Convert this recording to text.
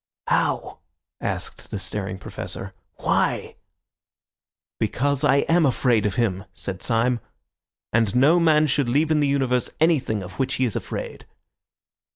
"How?" asked the staring Professor. "Why?" "Because I am afraid of him," said Syme; "and no man should leave in the universe anything of which he is afraid."